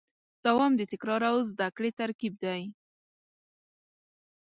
دوام د تکرار او زدهکړې ترکیب دی.